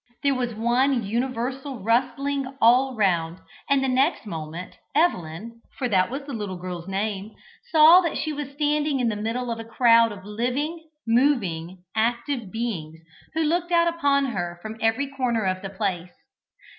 There was one universal rustling all round, and the next moment Evelyn (for that was the little girl's name) saw that she was standing in the middle of a crowd of living, moving, active beings, who looked out upon her from every corner of the place.